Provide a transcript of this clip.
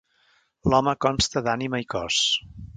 L'home consta d'ànima i cos.